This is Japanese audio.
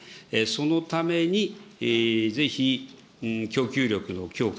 そのためにぜひ、供給力の強化、